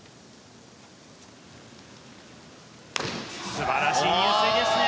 素晴らしい入水ですね。